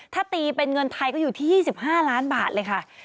ถ้าตีเป็นเงินไทยก็อยู่ที่๒๕ล้านบาทเลยค่ะ